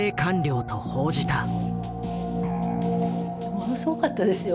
ものすごかったですよ